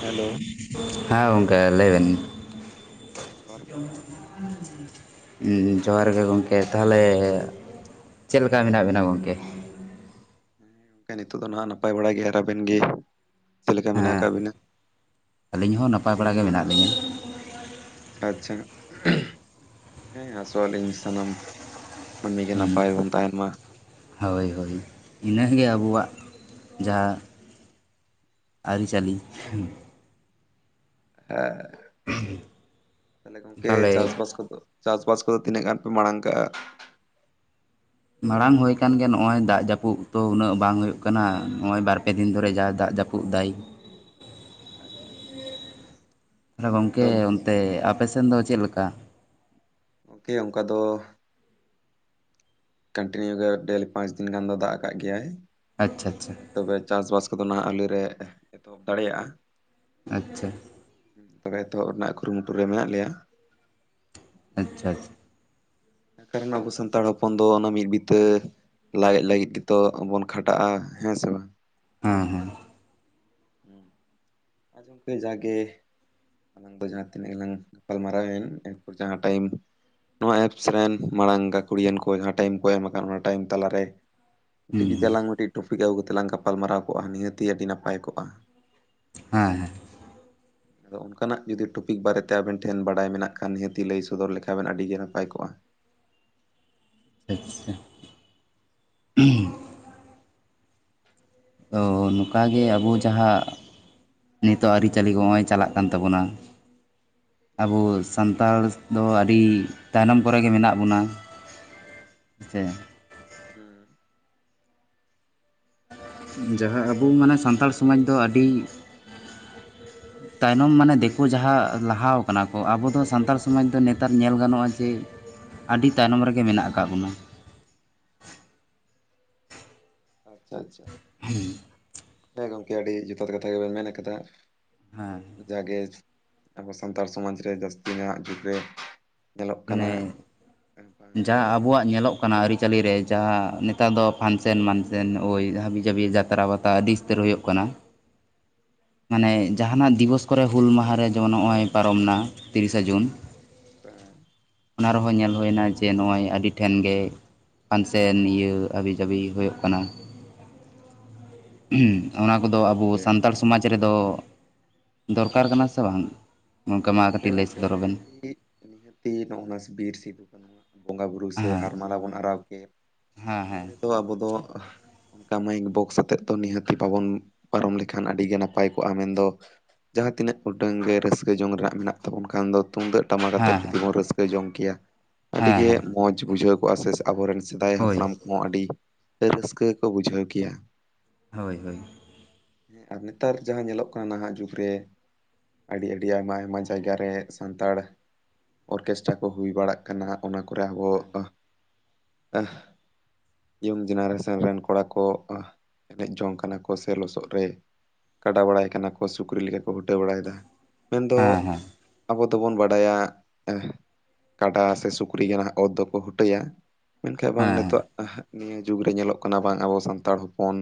Hello. ᱦᱮᱸ ᱜᱚᱝᱠᱮ ᱞᱟᱹᱭ ᱵᱮᱱ? ᱦᱮᱸ ᱡᱚᱦᱟᱨ ᱜᱮ ᱡᱚᱦᱟᱨ ᱜᱮ ᱜᱚᱢᱠᱮ, ᱛᱟᱦᱚᱞᱮ ᱪᱮᱫ ᱞᱮᱠᱟ ᱢᱮᱱᱟᱜ ᱵᱮᱱᱟ ᱜᱚᱢᱠᱮ? ᱦᱮᱸ ᱱᱤᱛᱚᱜ ᱫᱚ ᱱᱟᱦᱟᱜ ᱱᱟᱯᱟᱭ ᱵᱟᱲᱟ ᱜᱮᱭ ᱟᱨ ᱟᱵᱮᱱ ᱜᱮ ᱪᱮᱫ ᱞᱮᱠᱟ ᱢᱮᱱᱟᱜ ᱦᱮᱸ ᱟᱠᱟᱜ ᱵᱤᱱᱟ? ᱟᱹᱞᱤᱧ ᱦᱚᱸ ᱱᱟᱯᱟᱭ ᱵᱟᱲᱟ ᱜᱮ ᱢᱮᱱᱟᱜ ᱞᱤᱧᱟᱹ᱾ ᱟᱪᱪᱷᱟ ᱦᱮᱸ ᱟᱥᱚᱞ ᱤᱧ [unintelligible] ᱥᱟᱱᱟᱢ ᱢᱟᱹᱱᱢᱤ ᱜᱮ ᱱᱟᱯᱟᱭ ᱵᱚᱱ ᱛᱟᱦᱮᱱ ᱢᱟ᱾ ᱦᱳᱭ ᱦᱳᱭ ᱤᱱᱟᱹᱜᱮ ᱟᱵᱩᱣᱟᱜ ᱡᱟᱦᱟ ᱟᱹᱨᱤᱪᱟᱹᱞᱤ, ᱦᱮᱸ ᱛᱟᱦᱞᱮ ᱜᱚᱢᱠᱮ ᱛᱟᱦᱚᱞᱮ ᱪᱟᱥᱼᱵᱟᱥ ᱠᱚᱫᱚ ᱪᱟᱥᱼᱵᱟᱥ ᱠᱚᱫᱚ ᱛᱤᱱᱟᱹᱜ ᱜᱟᱱ ᱯᱮ ᱢᱟᱲᱟᱝ ᱠᱟᱜᱼᱟ? ᱢᱟᱲᱟᱝ ᱦᱩᱭ ᱠᱟᱱ ᱜᱮ ᱱᱚᱜᱼᱚᱭ ᱫᱟᱜ ᱡᱟᱹᱯᱩᱫ ᱛᱚ ᱩᱱᱟᱹᱜ ᱵᱟᱝ ᱦᱩᱭᱩᱜ ᱠᱟᱱᱟ, ᱱᱚᱜᱼᱚᱭ ᱵᱟᱨ ᱯᱮ ᱫᱤᱱ ᱫᱷᱚᱨᱮᱡ-ᱟ ᱫᱟᱜ ᱡᱟᱹᱯᱩᱫ ᱯᱩᱜ ᱫᱟᱭ᱾ [inaudible] ᱟᱪᱪᱷᱟ ᱦᱮᱸ ᱜᱚᱝᱠᱮ ᱢᱮᱱᱫᱚ ᱚᱱᱛᱮ ᱟᱯᱮ ᱥᱮᱱ ᱫᱚ ᱪᱮᱫᱞᱮᱠᱟ? ᱜᱚᱝᱠᱮ ᱚᱝᱠᱟ ᱫᱚ ᱠᱟᱹᱱᱴᱤᱱᱤᱭᱩ ᱜᱮ ᱰᱮᱞ ᱯᱟᱸᱪ ᱫᱤᱱ ᱜᱟᱱ ᱫᱚᱭ ᱫᱟᱜ ᱠᱟᱜ ᱜᱮᱭᱟᱭ, ᱟᱪᱪᱷᱟ ᱪᱷᱟ ᱪᱷᱟ᱾ ᱛᱚᱵᱮ ᱪᱟᱥ ᱵᱟᱥ ᱠᱚᱫᱚ ᱱᱟᱦᱟᱸᱜ ᱟᱞᱮ ᱨᱮ ᱮᱛᱚᱦᱚᱵ ᱫᱟᱲᱮᱭᱟᱜᱼᱟ᱾ ᱟᱪᱪᱷᱟ᱾ ᱛᱚᱵᱮ ᱮᱛᱚᱦᱚᱵ ᱨᱮᱱᱟᱜ ᱠᱩᱨᱩᱢᱩᱴᱩ ᱨᱮ ᱢᱮᱱᱟᱜ ᱞᱮᱭᱟ᱾ ᱟᱪᱪᱷᱟ ᱟᱪᱷ ᱦᱮᱸ ᱠᱟᱨᱚᱱ ᱟᱵᱚ ᱥᱟᱱᱛᱟᱲ ᱦᱚᱯᱚᱱ ᱫᱚ ᱚᱱᱟ ᱢᱤᱫ ᱵᱤᱛ ᱞᱟᱡ ᱞᱟᱹᱜᱤᱫ ᱜᱮᱛᱚ ᱵᱚᱱ ᱠᱷᱟᱴᱟᱜᱼᱟ ᱦᱮᱸ ᱥᱮ ᱵᱟᱝ? ᱦᱮᱸ ᱦᱮᱸ᱾ ᱟᱸᱡᱚᱢ ᱠᱟᱛᱮ ᱡᱟᱜᱮ ᱟᱞᱟᱝ ᱫᱚ ᱡᱟᱦᱟᱸ ᱛᱤᱱᱟᱹᱜ ᱞᱟᱝ ᱜᱟᱯᱟᱞ ᱢᱟᱨᱟᱣ ᱮᱱ ᱮᱨᱯᱚᱨ ᱡᱟᱦᱟᱸ ᱴᱟᱭᱤᱢ ᱱᱚᱣᱟ ᱮᱯᱥ ᱨᱮᱱ ᱢᱟᱲᱟᱝ ᱜᱟᱹᱠᱷᱩᱲᱤᱭᱟᱹᱱ ᱠᱚ ᱡᱟᱦᱟᱸ ᱴᱟᱭᱤᱢ ᱠᱚ ᱮᱢ ᱠᱟᱜ ᱟᱚᱱᱟ ᱴᱟᱭᱤᱢ ᱛᱟᱞᱟᱨᱮ ᱠᱟᱹᱴᱤᱡ ᱦᱮᱸ ᱡᱩᱫᱤ ᱟᱞᱟᱝ ᱢᱤᱫᱴᱤᱡ ᱴᱨᱚᱯᱤᱠ ᱟᱹᱜᱩ ᱠᱟᱛᱮᱜ ᱞᱟᱝ ᱜᱟᱯᱟᱞᱢᱟᱨᱟᱣ ᱠᱚᱜᱼᱟ ᱱᱤᱦᱟᱹᱛᱤ ᱟᱹᱰᱤ ᱱᱟᱯᱟᱭ ᱠᱚᱜᱼᱟ᱾ ᱦᱮᱸ ᱦᱮᱸ᱾ ᱟᱫᱚ ᱚᱱᱠᱟᱱᱟᱜ ᱡᱩᱫᱤ ᱴᱚᱯᱤᱠ ᱵᱟᱨᱮᱛᱮ ᱟᱵᱮᱱ ᱴᱷᱮᱱ ᱵᱟᱲᱟᱭ ᱢᱮᱱᱟᱜ ᱠᱷᱟᱱ ᱱᱤᱦᱟᱹᱛᱤ ᱞᱟᱹᱭ ᱥᱚᱫᱚᱨ ᱞᱮᱠᱷᱟᱱ ᱵᱮᱱ ᱟᱹᱰᱤᱜᱮ ᱱᱟᱯᱟᱭ ᱠᱚᱜᱼᱟ᱾ ᱟᱪᱪᱷᱟ ᱾ ᱛᱚ ᱱᱚᱝᱠᱟᱜᱮ ᱟᱵᱩ ᱡᱟᱸᱦᱟ ᱱᱤᱛᱚᱜ ᱟᱹᱨᱤᱪᱟᱹᱞᱤ ᱠᱚ ᱦᱚᱸᱜᱼᱚᱭ ᱪᱟᱞᱟᱜ ᱠᱟᱱ ᱛᱟᱵᱚᱱᱟ᱾ ᱟᱵᱩ ᱥᱟᱱᱛᱟᱲ ᱫᱚ ᱟᱹᱰᱤ ᱛᱟᱭᱱᱚᱢ ᱠᱚᱨᱮᱜᱮ ᱢᱮᱱᱟᱜ ᱵᱚᱱᱟ᱾ ᱦᱮᱸᱥᱮ? ᱦᱩᱸ᱾ ᱡᱟᱦᱟᱸ ᱟᱵᱩ ᱢᱟᱱᱮ ᱥᱟᱱᱛᱟᱲ ᱥᱚᱢᱟᱡ ᱫᱚ ᱟᱹᱰᱤ [inaudible] ᱛᱟᱭᱱᱚᱢ ᱢᱟᱱᱮ ᱫᱮᱠᱳ ᱡᱟᱦᱟᱸ ᱞᱟᱦᱟᱣ ᱠᱟᱱᱟ ᱠᱚ ᱟᱵᱚ ᱫᱚ ᱥᱟᱱᱛᱟᱲ ᱥᱚᱢᱟᱡ ᱫᱚ ᱱᱮᱛᱟᱨ ᱧᱮᱞ ᱜᱟᱱᱚᱜᱼᱟ ᱡᱮ ᱟᱹᱰᱤ ᱛᱟᱭᱱᱚᱢ ᱨᱮᱜᱮ ᱢᱮᱱᱟᱜ ᱠᱟᱜ ᱵᱚᱱᱟ᱾ ᱟᱪᱪᱷᱟ ᱟᱪᱪᱷᱟ᱾ ᱦᱩᱸ᱾ ᱦᱮᱸ ᱜᱚᱢᱠᱮ ᱟᱹᱰᱤ ᱡᱚᱛᱷᱟᱛ ᱠᱟᱛᱷᱟ ᱜᱮᱵᱮᱱ ᱢᱮᱱ ᱠᱟᱫᱟ᱾ ᱦᱮᱸ᱾ ᱡᱟᱜᱮ ᱟᱵᱚ ᱥᱟᱱᱛᱟᱲ ᱥᱚᱢᱟᱡᱽ ᱨᱮ ᱡᱟᱹᱥᱛᱤ ᱧᱟᱸᱜ ᱡᱩᱜ ᱨᱮ ᱧᱮᱞᱚᱜ ᱢᱟᱱᱮ ᱠᱟᱱᱟ ᱵᱟᱝ ᱡᱟᱦᱟᱸ ᱟᱵᱚᱣᱟᱜ ᱧᱮᱞᱚᱜ ᱠᱟᱱᱟ ᱟᱹᱨᱤᱪᱟᱞᱤ ᱨᱮ ᱡᱟᱦᱟᱸ ᱱᱮᱛᱟᱨ ᱫᱚ ᱯᱷᱟᱱᱥᱮᱱ ᱢᱟᱱᱥᱮᱱ ᱳᱭ ᱦᱟᱹᱵᱤ ᱡᱟᱹᱵᱤ ᱡᱟᱛᱨᱟ ᱯᱟᱛᱟ ᱟᱰᱤ ᱩᱛᱟᱹᱨ ᱦᱳᱭᱳᱜ ᱠᱟᱱᱟ᱾ [inaudible] ᱢᱟᱱᱮ ᱡᱟᱦᱟᱸᱱᱟᱜ ᱫᱤᱵᱚᱥ ᱠᱚᱨᱮ ᱦᱩᱞ ᱢᱟᱦᱟ ᱨᱮ ᱡᱮᱢᱚᱱ ᱱᱚᱜᱼᱚᱭ ᱯᱟᱨᱚᱢ ᱱᱟ ᱛᱤᱨᱤᱥᱟ ᱡᱩᱱ ᱯᱮᱸᱝ᱾ ᱚᱱᱟ ᱨᱮᱦᱚᱸ ᱧᱮᱞ ᱦᱩᱭᱱᱟ ᱡᱮ ᱱᱚᱜᱼᱚᱭ ᱟᱹᱰᱤ ᱴᱷᱮᱱ ᱜᱮ ᱯᱟᱱᱥᱮᱱ ᱤᱭᱟᱹ ᱦᱟᱹᱵᱤ ᱡᱟᱹᱵᱤ ᱦᱳᱭᱳᱜ ᱠᱟᱱᱟ᱾ ᱚᱱᱟ ᱠᱚᱫᱚ ᱦᱮᱸ ᱟᱵᱚ ᱜᱚᱝᱠᱮ ᱥᱟᱱᱛᱟᱲ ᱥᱚᱢᱟᱡᱽ ᱨᱮᱫᱚ ᱫᱚᱨᱠᱟᱨ ᱠᱟᱱᱟ ᱥᱮ ᱵᱟᱝ? ᱜᱚᱝᱠᱮ ᱢᱟ ᱦᱮᱸ ᱠᱟᱹᱴᱤᱡ ᱞᱟᱹᱭ ᱜᱚᱝᱠᱮ ᱥᱚᱫᱚᱨ ᱟᱵᱮᱱ? ᱱᱤᱦᱟᱹᱛᱤ ᱱᱤᱦᱟᱹᱛᱤ ᱱᱚᱜᱼᱚᱱᱟ ᱵᱤᱨ ᱥᱤᱫᱩ- ᱠᱟᱹᱱᱦᱩᱣᱟᱜ ᱵᱚᱸᱜᱟᱼᱵᱩᱨᱩ ᱥᱮ ᱦᱮᱸ ᱦᱟᱨ ᱢᱟᱞᱟ ᱵᱚᱱ ᱟᱨᱟᱣ ᱠᱮᱫ ᱦᱮᱸ ᱱᱤᱭᱟᱹ ᱦᱮᱸ ᱨᱮᱫᱚ ᱟᱵᱚ ᱫᱚ ᱚᱱᱠᱟ ᱢᱟᱭᱤᱠ ᱵᱚᱠᱥ ᱟᱛᱮᱫ ᱫᱚ ᱱᱤᱦᱟᱹᱛᱤ ᱵᱟᱵᱚᱱ ᱯᱟᱨᱚᱢ ᱞᱮᱠᱷᱟᱱ ᱟᱹᱰᱤ ᱜᱮ ᱱᱟᱯᱟᱭ ᱠᱚᱜᱼᱟ ᱢᱮᱱᱫᱚ ᱡᱟᱦᱟᱸ ᱛᱤᱱᱟᱹᱜ ᱜᱚᱴᱟᱝ ᱜᱮ ᱨᱟᱹᱥᱠᱟᱹ ᱡᱚᱝ ᱨᱮᱱᱟᱜ ᱢᱮᱱᱟᱜ ᱛᱟᱵᱚᱱ ᱠᱷᱟᱱ ᱫᱚ ᱛᱩᱢᱫᱟᱹᱜ ᱴᱟᱢᱟᱠ ᱦᱮᱸ ᱟᱛᱮᱫ ᱦᱮᱸ ᱡᱩᱫᱤ ᱵᱚᱱ ᱨᱟᱹᱥᱠᱟᱹ ᱡᱚᱝ ᱠᱮᱭᱟ᱾ ᱟᱹᱰᱤ ᱦᱮᱸ ᱜᱮ ᱦᱮᱸ ᱢᱚᱡᱽ ᱵᱩᱡᱷᱟᱹᱣ ᱠᱚᱜᱼᱟ ᱥᱮ ᱟᱵᱚᱨᱮᱱ ᱥᱮᱫᱟᱭ ᱦᱳᱭ ᱦᱟᱯᱲᱟᱢ ᱠᱚᱦᱚᱸ ᱟᱹᱰᱤ ᱨᱟᱹᱥᱠᱟᱹ ᱜᱮᱠᱚ ᱵᱩᱡᱷᱟᱹᱣ ᱠᱮᱭᱟ᱾ ᱦᱳᱭ ᱦᱳᱭ᱾ ᱦᱮᱸ ᱟᱨ ᱱᱮᱛᱟᱨ ᱡᱟᱦᱟᱸ ᱧᱮᱞᱚᱜ ᱠᱟᱱᱟ ᱱᱟᱦᱟᱜ ᱡᱩᱜᱽ ᱨᱮ ᱟᱹᱰᱤ ᱟᱹᱰᱤ ᱟᱭᱢᱟ ᱟᱭᱢᱟ ᱡᱟᱭᱜᱟ ᱨᱮ ᱥᱟᱱᱛᱟᱲ ᱚᱨᱠᱮᱥᱴᱨᱟ ᱠᱚ ᱦᱩᱭ ᱵᱟᱲᱟᱜ ᱠᱟᱱᱟ᱾ ᱚᱱᱟ ᱠᱚᱨᱮ ᱟᱵᱚ ᱤᱭᱚᱝ ᱡᱮᱱᱟᱨᱮᱥᱚᱱ ᱨᱮᱱ ᱠᱚᱲᱟ ᱠᱚ ᱮᱱᱮᱡ ᱡᱚᱝ ᱠᱟᱱᱟ ᱠᱚ ᱥᱮ ᱞᱚᱥᱚᱫ ᱨᱮ ᱠᱟᱰᱟ ᱵᱟᱲᱟᱭ ᱠᱟᱱᱟ ᱠᱚ, ᱥᱩᱠᱨᱤ ᱞᱮᱠᱟ ᱠᱚ ᱦᱩᱴᱟᱹ ᱵᱟᱲᱟᱭᱮᱫᱟ᱾ ᱢᱮᱱᱫᱚ ᱦᱮᱸ ᱦᱮᱸ ᱦᱮᱸ ᱟᱵᱚ ᱫᱚᱵᱚᱱ ᱵᱟᱰᱟᱭᱟ ᱠᱟᱰᱟ ᱥᱮ ᱥᱩᱠᱨᱤ ᱜᱮ ᱱᱟᱦᱟᱜ ᱚᱛ ᱫᱚᱠᱚ ᱦᱩᱴᱟᱹᱭᱟ᱾ ᱢᱮᱱᱠᱷᱟᱡ ᱵᱟᱝ ᱱᱤᱛᱚᱜ ᱱᱤᱭᱟᱹ ᱡᱩᱜᱽ ᱨᱮ ᱧᱮᱞᱚᱜ ᱠᱟᱱᱟ ᱵᱟᱝ ᱟᱵᱚ ᱥᱟᱱᱛᱟᱲ ᱦᱚᱯᱚᱱ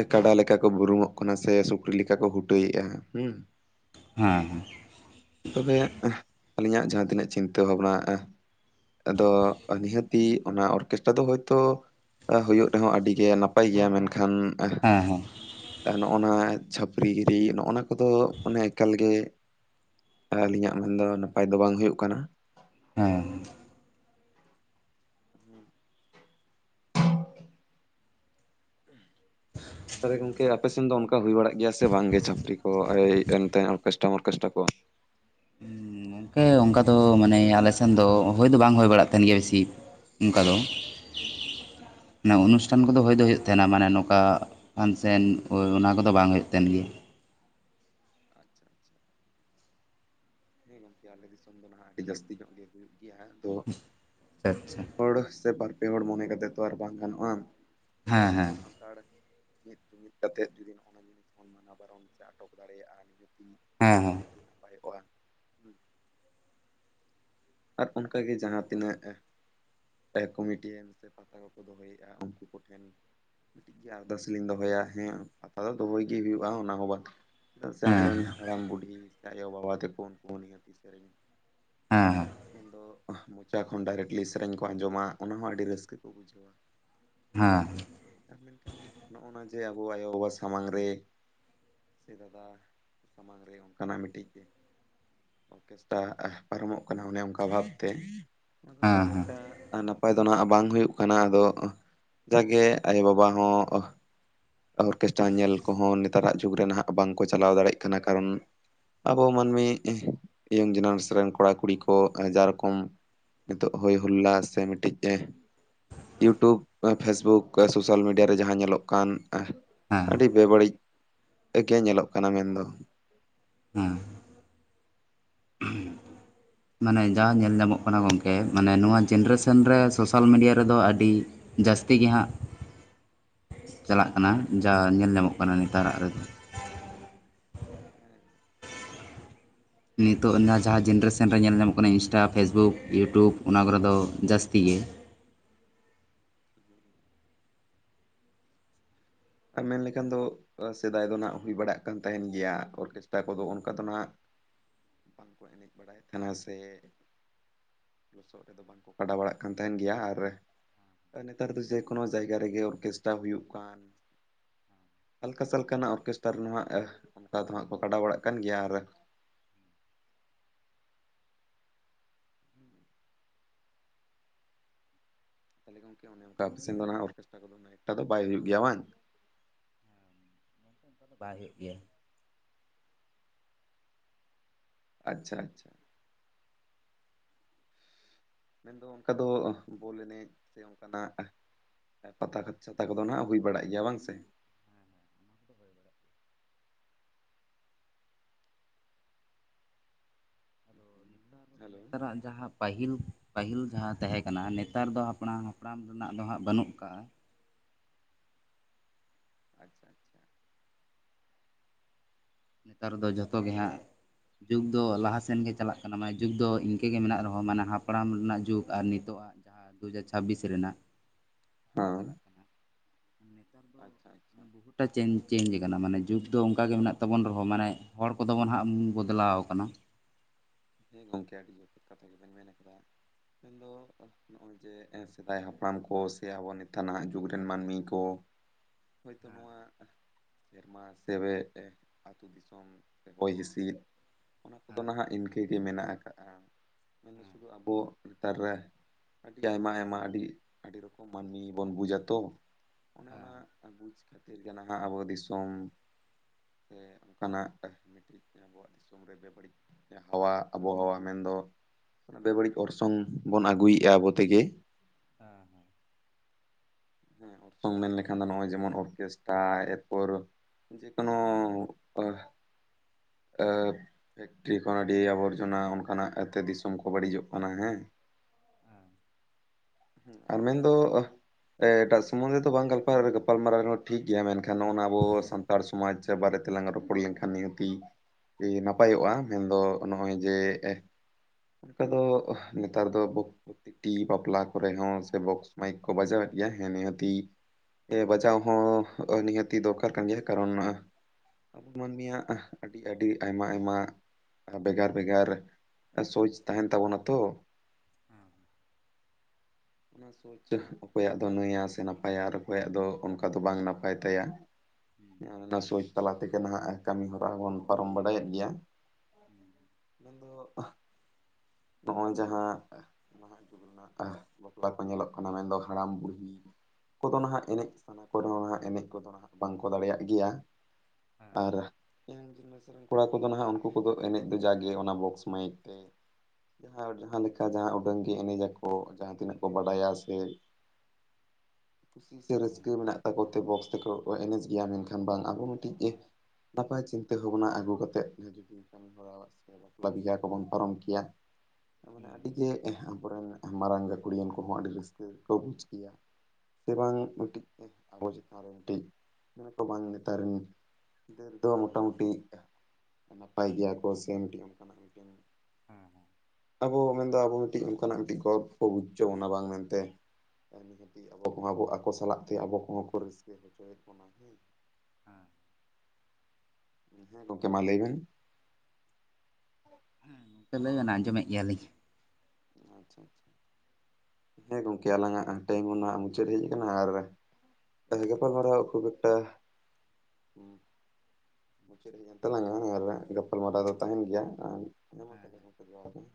ᱮ ᱠᱟᱰᱟ ᱞᱮᱠᱟ ᱠᱚ ᱵᱩᱨᱩᱢᱚᱜ ᱠᱟᱱᱟ ᱥᱮ ᱥᱩᱠᱨᱤ ᱞᱮᱠᱟ ᱠᱚ ᱦᱩᱴᱟᱹᱭᱮᱫᱼᱟ ᱦᱮᱸ᱾ ᱦᱮᱸ ᱦᱮᱸ᱾ ᱛᱚᱵᱮ ᱟᱹᱞᱤᱧᱟᱜ ᱡᱟᱦᱟᱸ ᱛᱤᱱᱟᱹᱜ ᱪᱤᱱᱛᱟᱹ ᱵᱷᱟᱵᱽᱱᱟ ᱟᱫᱚ ᱱᱤᱦᱟᱹᱛᱤ ᱚᱱᱟ ᱚᱨᱠᱮᱥᱴᱟ ᱫᱚ ᱦᱳᱭᱛᱚ ᱦᱩᱭᱩᱜ ᱨᱮᱦᱚᱸ ᱟᱹᱰᱤ ᱜᱮ ᱱᱟᱯᱟᱭ ᱜᱮᱭᱟ, ᱢᱮᱱᱠᱷᱟᱱ ᱦᱮᱸ ᱦᱮᱸ᱾ ᱱᱚᱜᱼᱱᱟ ᱪᱷᱟᱹᱯᱨᱤ ᱜᱤᱨᱤ ᱱᱚᱜᱼᱱᱟ ᱠᱚᱫᱚ ᱢᱟᱱᱮ ᱮᱠᱟᱞ ᱜᱮ ᱟᱹᱞᱤᱧᱟᱜ ᱢᱮᱱ ᱫᱚ ᱱᱟᱯᱟᱭ ᱫᱚ ᱵᱟᱝ ᱦᱩᱭᱩᱜ ᱠᱟᱱᱟ᱾ ᱦᱮᱸ᱾ ᱛᱟᱦᱚᱞᱮ ᱜᱚᱝᱠᱮ ᱟᱯᱮᱥᱱ ᱫᱚ ᱚᱱᱠᱟ ᱦᱩᱭ ᱵᱟᱲᱟᱜ ᱜᱮᱭᱟ ᱥᱮ ᱵᱟᱝ ᱜᱮ ᱪᱟᱹᱠᱨᱤ ᱠᱚ ᱮᱱᱛᱮ? [unintelligible] ᱚᱨᱮᱥᱴᱨᱟ ᱠᱚ᱾ ᱜᱚᱢᱠᱮ ᱚᱱᱠᱟ ᱫᱚ ᱢᱟᱱᱮ ᱟᱞᱮ ᱥᱮᱱ ᱫᱚ ᱦᱳᱭ ᱫᱚ ᱵᱟᱝ ᱦᱩᱭ ᱵᱟᱲᱟᱜ ᱛᱟᱦᱮᱱ ᱜᱮᱭᱟ ᱵᱮᱥᱤ᱾ ᱚᱱᱠᱟ ᱫᱚ ᱚᱱᱩᱥᱴᱷᱟᱱ ᱠᱚᱫᱚ ᱦᱚᱭ ᱫᱚ ᱦᱩᱭᱩᱜ ᱛᱟᱦᱮᱱᱟ, ᱢᱟᱱᱮ ᱱᱚᱝᱠᱟ ᱯᱷᱟᱱᱥᱮᱱ ᱦᱳ ᱚᱱᱟ ᱠᱚᱫᱚ ᱵᱟᱝ ᱦᱩᱭᱩᱜ ᱛᱟᱦᱮ ᱜᱮᱭᱟ᱾ ᱟᱪᱪᱷᱟ [unintelligible] ᱛᱚ ᱟᱪᱪᱷᱟ ᱟᱪᱪᱷᱟ ᱦᱚᱲ ᱥᱮ ᱵᱟᱨ-ᱯᱮ ᱦᱚᱲ ᱢᱚᱱᱮ ᱠᱟᱛᱮ ᱛᱚ ᱟᱨ ᱵᱟᱝ ᱜᱟᱱᱚᱜᱼᱟ᱾ ᱦᱮᱸ ᱦᱮᱸ ᱟᱵᱚ ᱥᱟᱱᱛᱟᱲ ᱢᱤᱫ ᱡᱩᱢᱤᱫ ᱠᱟᱛᱮᱫ ᱡᱩᱫᱤ ᱱᱚᱜᱼᱚᱭ ᱡᱤᱱᱤᱥ ᱵᱚᱱ ᱢᱟᱱᱟ ᱵᱟᱨᱚᱱ ᱥᱮ ᱟᱴᱚᱠ ᱫᱟᱲᱮᱭᱟᱜᱼᱟ, ᱱᱤᱦᱟᱹᱛᱤ ᱦᱮᱸ ᱦᱮᱸ᱾ [unintelligible] ᱟᱨ ᱚᱱᱠᱟ ᱜᱮ ᱡᱟᱦᱟᱸ ᱛᱤᱱᱟᱹᱜ ᱠᱚᱢᱤᱴᱤᱭ [unintelligible] [unintelligible] ᱩᱱᱠᱩ ᱠᱚ ᱴᱷᱮᱱ [unintelligible] ᱟᱨᱫᱟᱥ ᱞᱤᱧ ᱫᱚᱦᱚᱭᱟ ᱦᱮᱸ ᱯᱟᱛᱟ ᱫᱚ ᱫᱚᱦᱚᱭ ᱜᱮ ᱦᱩᱭᱩᱜᱼᱟ᱾ ᱚᱱᱟ [unintelligible] ᱪᱮᱫᱟᱜ ᱥᱮ ᱦᱮᱸ ᱟᱵᱚᱨᱮᱱ ᱦᱟᱲᱟᱢ ᱵᱩᱰᱷᱤ ᱥᱮ ᱟᱭᱳᱼᱵᱟᱵᱟ ᱛᱮᱠᱚ ᱩᱱᱠᱩ [unintelligible] ᱦᱮᱸ ᱦᱮᱸ᱾ ᱢᱮᱱᱫᱚ ᱢᱚᱪᱟ ᱠᱷᱚᱱ ᱰᱟᱭᱨᱮᱠᱴᱞᱤ ᱥᱮᱨᱮᱧ ᱠᱚ ᱟᱸᱡᱚᱢᱟ᱾ ᱚᱱᱟ ᱦᱚᱸ ᱟᱹᱰᱤ ᱨᱟᱹᱥᱠᱟᱹ ᱠᱚ ᱵᱩᱡᱷᱟᱹᱣᱟ᱾ ᱦᱮᱸ ᱟᱨ ᱢᱮᱱᱠᱷᱟᱱ ᱱᱚᱜᱼᱱᱚᱣᱟ ᱡᱮ ᱟᱵᱚ ᱟᱭᱳᱼᱵᱟᱵᱟ ᱥᱟᱢᱟᱝ ᱨᱮ [unintelligible] ᱫᱟᱫᱟ, ᱦᱮᱸ ᱥᱟᱢᱟᱝ ᱨᱮ ᱚᱝᱠᱟ ᱱᱟᱜ ᱢᱤᱫᱴᱤᱡ ᱚᱨᱠᱮᱥᱴᱟ ᱟᱦ ᱯᱟᱨᱚᱢᱚᱜ ᱚᱱᱟ ᱢᱟᱱᱮ ᱚᱸᱠᱟ ᱵᱷᱟᱵᱽ ᱛᱮ [unintelligible] ᱟᱨ ᱱᱟᱯᱟᱭ ᱫᱚ ᱱᱷᱟᱸᱜ ᱵᱟᱝ ᱦᱩᱭᱩᱜ ᱠᱟᱱᱟ ᱟᱫᱚᱜ ᱡᱟᱜᱮ ᱟᱭᱳᱼᱵᱟᱵᱟ ᱦᱚᱸᱜ ᱚᱦᱚᱨᱠᱮᱥᱴᱟ ᱧᱮᱞ ᱠᱚᱦᱚᱸ ᱱᱮᱛᱟᱨᱟᱜ ᱡᱩᱜᱽ ᱨᱮ ᱱᱷᱟᱸᱜ ᱵᱟᱝᱠᱚ ᱪᱟᱞᱟᱣ ᱫᱟᱲᱮᱜ ᱠᱟᱱᱟ ᱠᱟᱨᱚᱱ ᱟᱵᱚ ᱢᱟᱹᱱᱢᱤᱜ ᱤᱭᱚᱝ ᱡᱮᱱᱟᱸᱥ ᱨᱮᱱ ᱠᱚᱲᱟ ᱠᱩᱲᱤ ᱠᱚᱜ ᱡᱟ ᱨᱚᱠᱚᱢ ᱱᱤᱛᱚᱜ ᱦᱳᱭ ᱦᱩᱞᱞᱟ ᱥᱮ ᱢᱤᱫᱴᱤᱡ ᱮᱸ ᱭᱩᱴᱩᱵ ᱯᱷᱮᱥᱵᱩᱠ ᱠᱚ ᱥᱳᱥᱟᱞ ᱢᱤᱰᱤᱭᱟ ᱨᱮ ᱡᱟᱦᱟᱸ ᱧᱮᱞᱚᱜ ᱠᱟᱱ ᱮᱸᱦ ᱦᱮᱸ ᱦᱮᱸ ᱦᱮᱸ ᱟᱹᱰᱤ ᱵᱮᱵᱟᱹᱲᱤᱡ ᱮᱻᱜᱮ ᱧᱮᱞᱚᱜ ᱠᱟᱱᱟ ᱢᱮᱱᱫᱚ, ᱦᱩᱸ ᱦᱩᱸ [unintelligible] ᱢᱟᱱᱮ ᱡᱟ ᱧᱮᱞ ᱧᱟᱢᱚᱜ ᱠᱟᱱᱟ ᱜᱚᱝᱠᱮ ᱢᱟᱱᱮ ᱱᱚᱣᱟ ᱡᱮᱱᱼᱨᱮᱥᱮᱱ ᱨᱮ ᱥᱳᱥᱟᱞ ᱢᱤᱰᱤᱭᱟ ᱨᱮᱫᱚ ᱟᱹᱰᱤ ᱡᱟᱹᱥᱛᱤ ᱜᱮ ᱦᱟᱸᱜ ᱪᱟᱞᱟᱜ ᱠᱟᱱᱟ ᱡᱟ ᱧᱮᱞ ᱧᱟᱢᱚᱜ ᱠᱟᱱᱟ ᱱᱮᱛᱟᱨᱟᱜ ᱨᱮᱫᱚ᱾ ᱱᱤᱛᱚᱜ ᱮᱱᱟ ᱡᱟᱦᱟᱸ ᱡᱮᱱᱼᱨᱮᱥᱮᱱ ᱨᱮ ᱧᱮᱞ ᱧᱟᱢᱚᱜ ᱠᱟᱱᱟ ᱤᱸᱥᱴᱟ, ᱯᱷᱮᱥᱵᱩᱠ, ᱭᱩᱴᱩᱵ ᱚᱱᱟ ᱠᱚᱨᱮ ᱫᱚ ᱡᱟᱹᱥᱛᱤ ᱜᱮ, ᱟᱨ ᱢᱮᱱ ᱞᱮᱠᱷᱟᱱ ᱫᱚ ᱥᱮᱫᱟᱭ ᱫᱚ ᱱᱷᱟᱸᱜ ᱦᱩᱭ ᱵᱟᱲᱟᱜ ᱠᱟᱱ ᱛᱟᱦᱮᱸᱱ ᱜᱮᱭᱟ ᱚᱨᱠᱮᱥᱴᱟ ᱠᱚᱫᱚ ᱚᱱᱠᱟ ᱫᱚ ᱱᱷᱟᱸᱜ ᱵᱟᱝᱠᱚ ᱮᱱᱮᱡ ᱵᱟᱲᱟᱭᱮᱫ ᱛᱟᱦᱮᱸᱱᱟ ᱥᱮ, ᱞᱚᱥᱚᱫ ᱨᱮᱫᱚ ᱵᱟᱝᱠᱚ ᱠᱟᱰᱟ ᱵᱟᱲᱟᱜ ᱠᱟᱱ ᱛᱟᱦᱮᱸᱱ ᱜᱮᱭᱟ ᱟᱨ ᱟᱨ ᱱᱮᱛᱟᱨ ᱫᱚ ᱡᱟᱹᱭ ᱠᱳᱱᱳ ᱡᱟᱭᱜᱟ ᱨᱮᱜᱮ ᱚᱨᱠᱮᱥᱴᱟ ᱦᱩᱭᱩᱜ ᱠᱟᱱ, ᱦᱟᱞᱠᱟᱥ ᱦᱟᱹᱞᱠᱟᱹ ᱨᱮ ᱱᱟᱜ ᱚᱨᱠᱮᱥᱴᱟᱨ ᱱᱚᱣᱟᱹᱜ ᱟᱹᱦ ᱚᱱᱠᱟ ᱫᱚ ᱦᱟᱸᱜ ᱠᱚ ᱠᱟᱰᱟ ᱵᱟᱲᱟᱜ ᱠᱟᱱ ᱜᱮᱭᱟ ᱟᱨ ᱛᱟᱦᱚᱞᱮ ᱜᱚᱢᱠᱮ ᱚᱱᱮ ᱚᱱᱠᱟ ᱟᱯᱮ ᱥᱮᱱ ᱫᱚ ᱦᱟᱸᱜ ᱚᱨᱠᱮᱥᱴᱟᱨᱟ ᱠᱚᱫᱚ ᱩᱱᱟᱹᱜ ᱮᱠᱴᱟ ᱫᱚ ᱵᱟᱭ ᱦᱩᱭᱩᱜ ᱜᱮᱭᱟ ᱵᱟᱝ? ᱚᱸᱠᱟ ᱫᱚ ᱵᱟᱭ ᱦᱩᱭᱩᱜ ᱜᱮᱭᱟ, ᱟᱪᱪᱷᱟ ᱟᱪᱪᱷᱟ ᱾ ᱢᱮᱱ ᱫᱚ ᱚᱱᱠᱟ ᱫᱚᱼᱚᱦ ᱵᱚᱞ ᱮᱱᱮᱡ ᱥᱮ ᱚᱱᱠᱟ ᱱᱟᱜ ᱮᱸ ᱯᱟᱛᱟᱠᱟ ᱪᱷᱟᱛᱟ ᱠᱚᱫᱚ ᱱᱷᱟᱸᱜ ᱦᱩᱭ ᱵᱟᱲᱟᱜ ᱜᱮᱭᱟ ᱵᱟᱝ ᱥᱮ, ᱟᱫᱚ ᱱᱮᱛᱟᱨ, ᱦᱮᱞᱳ ᱱᱮᱛᱟᱨ ᱟᱜ ᱡᱟᱦᱟᱸᱵ ᱯᱟᱹᱦᱤᱞ, ᱯᱟᱹᱦᱤᱞ ᱡᱟᱦᱟᱸ ᱛᱟᱦᱮᱸ ᱠᱟᱱᱟ ᱱᱮᱛᱟᱨ ᱫᱚ ᱦᱟᱯᱬᱟ ᱦᱟᱯᱬᱟᱢ ᱨᱮᱱᱟᱜ ᱫᱚ ᱦᱟᱸᱜ ᱵᱟᱹᱱᱩᱜ ᱟᱠᱟᱜᱼᱟ, ᱟᱪᱪᱷᱟ ᱟᱪᱪᱷᱟ, ᱱᱮᱛᱟᱨ ᱫᱚ ᱡᱷᱚᱛᱚ ᱜᱮ ᱦᱟᱸᱜ ᱡᱩᱜᱽ ᱫᱚ ᱞᱟᱦᱟ ᱥᱮᱱ ᱜᱮ ᱪᱟᱞᱟᱜ ᱠᱟᱱᱟ, ᱢᱟᱱᱮ ᱡᱩᱜᱽ ᱫᱚ ᱤᱸᱠᱟᱹ ᱜᱮ ᱢᱮᱱᱟᱜ ᱨᱮᱦᱚᱸ ᱢᱟᱱᱮ ᱦᱟᱯᱲᱟᱸᱢ ᱨᱮᱱᱟᱜ ᱡᱩᱜᱽ ᱟᱨ ᱱᱤᱛᱚᱜᱼᱟᱜ ᱡᱟ- ᱡᱟᱦᱟᱸ ᱫᱩ ᱦᱟᱡᱟᱨ ᱪᱷᱟᱵᱤᱥ ᱨᱮᱱᱟᱜ ᱦᱚᱸ, ᱢᱟᱱᱮ ᱱᱮᱛᱟᱨ ᱫᱚ ᱟᱪᱪᱷᱟ ᱢᱟᱱᱮ ᱵᱩᱦᱩᱛ ᱴᱟᱜ ᱪᱮᱸᱡᱽ, ᱪᱮᱸᱡᱽ ᱟᱠᱟᱱᱟ ᱢᱟᱱᱮ ᱡᱩᱜᱽ ᱫᱚ ᱚᱸᱠᱟ ᱜᱮ ᱢᱮᱱᱟᱜ ᱛᱟᱵᱚᱱ ᱨᱮᱦᱚᱸ ᱢᱟᱱᱮ ᱦᱚᱲ ᱠᱚᱫᱚ ᱵᱚ ᱱᱷᱟᱸᱜᱼᱟᱢ ᱵᱚᱫᱞᱟᱣᱟᱠᱟᱱᱟ᱾ ᱦᱮᱸ ᱜᱚᱝᱠᱮ ᱟᱹᱰᱤ ᱡᱚᱛᱷᱟᱛ ᱠᱟᱛᱷᱟ ᱜᱮᱵᱮᱱ ᱢᱮᱱ ᱟᱠᱟᱫᱟ ᱢᱮᱱᱫᱚᱜ ᱱᱚᱜᱼᱚᱭ ᱡᱮ ᱮᱸ ᱥᱮᱫᱟᱭ ᱦᱟᱯᱲᱟᱢ ᱠᱚ ᱥᱮ ᱟᱵᱚ ᱱᱮᱛᱟ ᱱᱟᱸᱜ ᱡᱩᱜᱽ ᱨᱮᱱ ᱢᱟᱹᱱᱢᱤ ᱠᱚ ᱦᱳᱭᱛᱳ ᱦᱮᱸ ᱱᱚᱣᱟᱸᱜ ᱥᱮᱨᱢᱟ ᱥᱮᱵᱮᱜᱼᱮ ᱟᱹᱛᱩ ᱫᱤ- ᱥᱚᱢ ᱪᱮ ᱦᱚᱭ ᱦᱤᱸᱥᱤᱫ ᱚᱱᱟ ᱠᱚᱫᱚ ᱦᱮᱸ ᱱᱷᱟᱸᱜ ᱤᱱᱠᱟᱹ ᱜᱮ ᱢᱮᱱᱟᱜ ᱟᱠᱟᱜ-ᱟ, ᱢᱮᱱᱫᱚ ᱦᱮᱸ ᱥᱩᱫᱩ ᱟᱵᱚᱜ ᱱᱮᱛᱟᱨ ᱨᱮ, ᱟᱹᱰᱤ ᱟᱭᱢᱟ ᱟᱭᱢᱟ ᱟᱹᱰᱤᱜ, ᱟᱹᱰᱤ ᱨᱚᱠᱚᱢ ᱢᱟᱹᱱᱢᱤ ᱵᱚᱱ ᱵᱩᱡᱽᱼᱟ ᱛᱚ, ᱚᱱᱟ ᱚᱱᱮ ᱚᱱᱟᱜ ᱵᱩᱡᱽ ᱠᱷᱟᱹᱛᱤᱨ ᱜᱮ ᱱᱷᱟᱸᱜ ᱟᱵᱚ ᱫᱤᱥᱚᱢ, ᱮᱸ ᱚᱱᱠᱟᱱᱟᱜᱼᱟ ᱢᱤᱫ ᱴᱤᱡ ᱟᱵᱚᱣᱟᱜ ᱫᱤᱥᱚᱢ ᱨᱮ ᱵᱮᱵᱟᱹᱲᱤᱡ [inaudible] ᱦᱟᱣᱟ ᱟᱵᱚᱦᱚ ᱢᱮᱱᱫᱚ ᱚᱱᱟ ᱟᱹᱰᱤ ᱵᱟᱹᱲᱤᱡ ᱚᱨᱥᱚᱝ ᱵᱚᱱ ᱟᱹᱜᱩᱭᱮᱜ-ᱟ ᱟᱵᱚ ᱛᱮᱜᱮ, ᱦᱟᱸ ᱦᱟᱸ, ᱦᱮᱸ ᱚᱨᱥᱚᱝ ᱢᱮᱱ ᱞᱮᱠᱷᱟᱱ ᱫᱚ ᱱᱚᱜ-ᱚᱭ ᱡᱮᱢᱚᱱ ᱚᱨᱠᱮᱥᱴᱟ ᱮᱯᱚᱨ, ᱡᱮ ᱠᱳᱱᱳ ᱚᱦ, ᱮᱻ ᱯᱷᱮᱠᱴᱨᱤ ᱠᱷᱚᱱ ᱟᱹᱰᱤ ᱟᱵᱚᱨᱡᱚᱱᱟ ᱚᱱᱠᱟᱱᱟᱜ ᱛᱮ ᱫᱤᱥᱚᱢ ᱠᱚ ᱵᱟᱹᱲᱤᱡᱚᱜ ᱠᱟᱱᱟ ᱦᱮᱸ, ᱟᱵᱤᱱ ᱫᱚᱼᱼ ᱮᱴᱟᱜ ᱥᱚᱢᱚᱱᱫᱷᱮ ᱛᱮ ᱵᱟᱝ [unintelligible] ᱜᱟᱯᱟᱞ ᱢᱟᱨᱟᱣ ᱨᱮ ᱦᱚᱸ ᱴᱷᱤᱠ ᱜᱮᱭᱟ ᱢᱮᱱ ᱠᱷᱟᱱ ᱱᱚᱜ-ᱚᱭ ᱱᱚᱣᱟ ᱟᱵᱚ ᱥᱟᱱᱼᱼ ᱟᱨ ᱥᱚᱢᱟᱡᱽ ᱵᱟᱨᱮᱛᱮ ᱞᱟᱝ ᱨᱚᱯᱚᱲ ᱞᱮᱱ ᱠᱷᱟᱱ ᱱᱤᱦᱟᱹᱛᱤᱼᱼ ᱱᱟᱯᱟᱭᱚᱜ-ᱟ, ᱢᱮᱱ ᱫᱚ ᱱᱚᱜ-ᱚᱭ ᱡᱮ ᱮᱜᱼᱼ ᱚᱱᱠᱟ ᱫᱚ ᱱᱮᱛᱟᱨ ᱫᱚ ᱯᱨᱚᱛᱮᱠ ᱴᱤ ᱵᱟᱯᱞᱟ, ᱠᱚ ᱨᱮ ᱦᱚᱸ ᱥᱮ ᱵᱚᱠᱥ ᱢᱟᱭᱤᱠ ᱠᱚ ᱵᱟᱡᱟᱣᱮᱫ ᱜᱮᱭᱟ ᱦᱮᱸ ᱱᱤᱦᱟᱹᱛᱤᱼᱼ ᱦᱮᱸ ᱵᱟᱡᱟᱣ ᱦᱚᱸ ᱱᱤᱦᱟᱹᱛᱤ ᱫᱚᱨᱠᱟᱨ ᱠᱟᱱ ᱜᱮᱭᱟ ᱠᱟᱨᱚᱱ ᱢᱟᱼᱼ ᱢᱟᱹᱱᱢᱤᱭᱟᱜ ᱟᱹᱰᱤ ᱟᱭᱢᱟ ᱟᱭᱢᱟᱼᱼ ᱵᱷᱮᱜᱟᱨ ᱵᱷᱮᱜᱟᱨ ᱥᱚᱪ ᱛᱟᱸᱦᱮᱱ ᱛᱟᱸᱵᱚᱱᱟ ᱛᱚ᱾ ᱦᱮᱸ ᱦᱮᱸ ᱦᱮᱸ [unintelligible] ᱚᱠᱚᱭᱟᱜ ᱫᱚ ᱱᱟᱹᱭᱟ ᱥᱮ ᱱᱟᱯᱟᱭᱟ ᱟᱨ ᱚᱠᱚᱭᱟᱜ ᱫᱚ ᱚᱱᱠᱟ ᱫᱚ ᱵᱟᱝ ᱱᱟᱯᱟᱭ ᱛᱟᱭᱟ, ᱚᱱᱟ ᱥᱚᱪ ᱛᱟᱞᱟ ᱛᱮ ᱜᱮ ᱱᱟᱦᱟᱜ ᱠᱟᱹᱢᱤ ᱦᱚᱨᱟ ᱵᱚᱱ ᱯᱟᱨᱚᱢ ᱵᱟᱲᱟᱭ ᱮᱫ ᱜᱮᱭᱟ᱾ ᱢᱮᱱ ᱫᱚ ᱱᱚᱜ-ᱚᱭ ᱡᱟᱸᱦᱟ ᱼᱼ ᱱᱟᱦᱟᱜ ᱡᱩᱜᱽ ᱨᱮᱱᱟᱜ, ᱮᱜ ᱵᱟᱠᱚ ᱧᱮᱞᱚᱜ ᱠᱟᱱᱟ ᱢᱮᱱ ᱫᱚ ᱦᱟᱲᱟᱢ ᱵᱩᱲᱦᱤ, ᱠᱚ ᱫᱚ ᱱᱟᱦᱟᱜ ᱮᱱᱮᱡ ᱥᱟᱱᱟ ᱠᱚ ᱨᱮ ᱦᱚᱸ ᱱᱟᱜ ᱮᱱᱮᱡ ᱠᱚ ᱫᱚ ᱱᱟᱦᱟᱜ ᱵᱟᱝ ᱠᱚ ᱫᱟᱲᱮᱭᱟᱜ ᱜᱮᱭᱟ᱾ ᱦᱮᱸ ᱦᱮᱸ ᱟᱨ [inaudible] ᱠᱚᱲᱟ ᱠᱚ ᱫᱚ ᱱᱟᱦᱟᱜ ᱩᱱᱠᱩ ᱠᱚ ᱫᱚ ᱮᱱᱮᱡ ᱫᱚ ᱡᱟᱜᱮ ᱚᱱᱟ ᱵᱚᱠᱥ ᱢᱟᱹᱭᱤᱠ ᱛᱮ, ᱡᱟᱸᱦᱟ ᱡᱟᱸᱦᱟ ᱞᱮᱠᱟ ᱡᱟᱸᱦᱟ ᱩᱰᱟᱹᱝ ᱜᱮ ᱮᱱᱮᱡ ᱟᱠᱚ, ᱠᱚ ᱡᱟᱸᱦᱟ ᱛᱤᱱᱟᱹᱜ ᱠᱚ ᱵᱟᱰᱟᱭᱟ ᱥᱮ, ᱠᱩᱥᱤ ᱨᱟᱹᱥᱠᱟᱹ ᱦᱮᱸ ᱢᱮᱱᱟᱜ ᱛᱟᱠᱚ ᱛᱮ ᱵᱚᱠᱥ ᱛᱮ ᱠᱚ ᱮᱱᱮᱡ ᱜᱮᱭᱟ ᱢᱮᱱ ᱠᱷᱟᱱ ᱵᱟᱝ ᱟᱵᱚ ᱢᱤᱫᱴᱤᱡ ᱮ, ᱱᱟᱯᱟᱭ ᱪᱤᱱᱛᱟᱹ ᱵᱷᱟᱵᱱᱟ ᱟᱹᱜᱩ ᱠᱟᱛᱮᱫ ᱼᱼ [unintelligible] ᱠᱚ ᱵᱚᱱ ᱯᱟᱨᱚᱢ ᱠᱮᱭᱟ ᱢᱟᱱᱮ ᱦᱮᱸ [unintelligible] ᱟᱵᱚᱨᱮᱱ, ᱢᱟᱨᱟᱝ ᱜᱟᱹᱠᱷᱲᱤᱭᱟ ᱠᱚ ᱦᱚᱸ ᱟᱹᱰᱤ ᱨᱟᱹᱥᱠᱟᱹ ᱠᱚ ᱵᱩᱡᱽ ᱠᱮᱭᱟ᱾ ᱥᱮ ᱵᱟᱝ ᱢᱤᱫᱴᱤᱡ ᱟᱵᱚ ᱪᱮᱛᱟᱱ ᱨᱮ ᱢᱤᱫᱴᱤᱡ ᱡᱟᱸᱦᱟᱭ ᱠᱚ ᱵᱟᱝ ᱱᱮᱛᱟᱨ ᱨᱮᱱ, [unintelligible] ᱫᱚ ᱢᱚᱴᱟᱢᱩᱴᱤ ᱱᱟᱯᱟᱭ ᱜᱮᱭᱟ ᱠᱚ ᱥᱮ ᱢᱤᱫᱴᱮᱱ ᱚᱱᱠᱟᱱᱟᱜ ᱢᱤᱫᱴᱮᱱ, ᱦᱮᱸ ᱦᱮᱸ ᱦᱮᱸ ᱟᱵᱚ ᱢᱮᱱᱫᱟ ᱟᱵᱚ ᱢᱤᱫᱴᱤᱡ ᱚᱱᱠᱟᱱᱟᱜ ᱢᱤᱫᱴᱤᱡ, [unintelligible] ᱠᱚ ᱵᱩᱡ ᱦᱚᱪᱚ ᱵᱚᱱᱟ ᱚᱱᱟ ᱵᱟᱝ ᱢᱮᱱᱛᱮ, ᱱᱤᱦᱟᱹᱛᱤ ᱟᱵᱚ ᱠᱚᱢᱟ ᱟᱠᱚ ᱥᱟᱞᱟᱜ ᱛᱮ ᱟᱵᱚ ᱠᱚᱦᱚᱸ ᱠᱚ ᱨᱟᱹᱥᱠᱟᱹ ᱦᱚᱪᱚᱭᱮᱫ ᱵᱚᱱᱟ᱾ ᱦᱮᱸ ᱦᱮᱸ ᱦᱮᱸ ᱜᱚᱢᱠᱮ ᱢᱟ ᱞᱟᱹᱭᱵᱮᱱ, ᱦᱮᱸ ᱜᱚᱝᱠᱮ ᱞᱟᱹᱭ ᱵᱮᱱ ᱟᱸᱡᱚᱢ ᱮᱫ ᱜᱮᱭᱟᱞᱤᱧ᱾ ᱟᱪᱪᱷᱟ ᱟᱪᱪᱷᱟ, ᱦᱮᱸ ᱜᱚᱝᱠᱮ ᱟᱞᱟᱝ ᱟᱜ ᱴᱟᱭᱤᱢ ᱚᱱᱟ ᱢᱩᱪᱟᱹᱫ ᱦᱮᱡ ᱟᱠᱟᱱᱟ ᱟᱨ, [unintelligible] ᱜᱟᱯᱟᱞᱢᱟᱨᱟᱣ ᱠᱷᱩᱵ ᱮᱠᱴᱟ᱾ ᱢᱩᱪᱟᱹᱫ ᱦᱮᱡᱮᱱ ᱛᱟᱞᱟᱝ ᱟᱨ ᱜᱟᱯᱟᱞᱢᱟᱨᱟᱣ ᱫᱚ ᱛᱟᱸᱦᱮᱱ ᱜᱮᱭᱟ ᱟᱨ ᱢᱟ ᱛᱟᱸᱦᱚᱞᱮ ᱜᱚᱝᱠᱮ ᱡᱚᱦᱟᱨ ᱜᱮ ᱾